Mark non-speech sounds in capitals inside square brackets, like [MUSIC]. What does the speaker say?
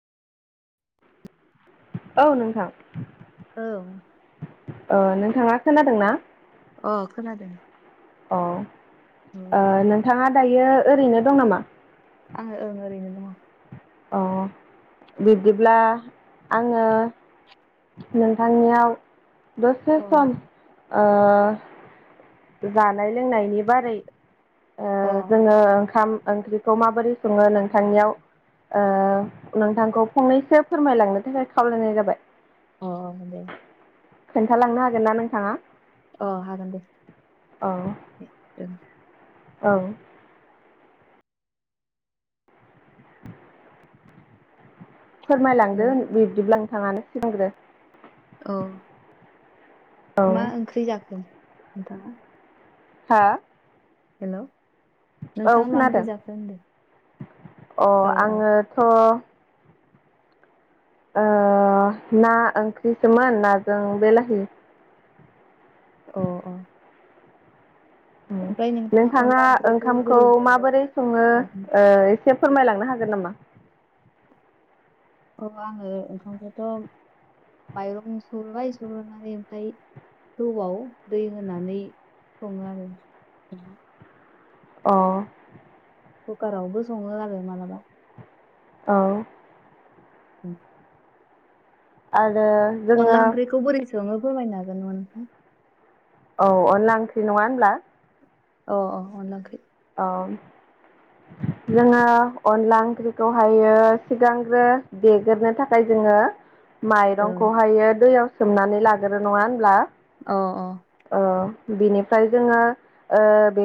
औ नोंथां औ ओ नोंथाङा खोनादों ना? अ खोनादों अ औ ओ नोंथाङा दायो ओरैनो दं नामा? आं ओं ओरैनो दङ। अ बिदिब्ला आङो नोंथांनियाव दसे सम ओ जानाय लोंनायनि बारै आ अ जोङो ओंखाम ओंख्रिखौ माबोरै सङो नोंथांनियाव ओ नोंथांखौ फंनैसो फोरमायलांनो थाखाय खावलायनाय जाबाय अ दे खोन्थालांनो हागोन ना नोंथाङा अ हागोन दे [INAUDIBLE] औ औ [INAUDIBLE] फोरमायलांदो हेलौ बिब्दिब्ला नोथाङानो सिगांग्रो औ औ मा ओंख्रि जाखो दा [INAUDIBLE] हा हेल' औ खोनादों अ औ आङोथ' ओ ना ओंख्रिसोमोन नाजों बेलाहि अ अ नोंथाङा अनला ओंख्रिखौ ओंखामखौ बोरै सङो माबोरै सङो ओ एसे फोरमायलांनो हागोन नामा औ आङो ओंखामखौथ' बाइरं सुरग्रोबाय सुरग्रोना इनिफाय थौआव दै होनानै सङो आरो औ कुकारावबो सङो आरो मालाबा औ [INAUDIBLE] आरो अनला जोङो [UNINTELLIGIBLE] फोरमायनो हागोन नामा नोंथां [INAUDIBLE] औ अनला ओंख्रि नङा होनब्ला अ अ अनला ओंख्रि औ जोङो अनला ओंख्रिखौहायो सिगांग्रो देग्रो थाखाय जों जोङो माइरंखौहायो दैयाव सोमनानै लाग्रो नङा होनब्ला अ अ ओ बिनिफ्राय जोङो ओ